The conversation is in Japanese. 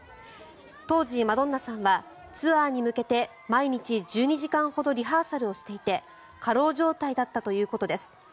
当時、マドンナさんはツアーに向けて毎日１２時間ほどリハーサルをしていて過労状態だったということです。